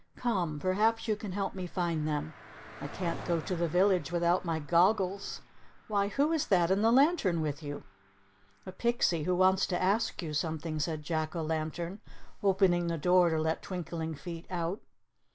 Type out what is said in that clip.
Come, perhaps you can help me find them. I can't go to the village without my goggles. Why, who is that in the lantern with you?" "A pixie who wants to ask you something," said Jack o' Lantern, opening the door to let Twinkling Feet out.